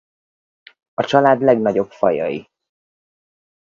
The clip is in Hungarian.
A család legnagyobb fajai.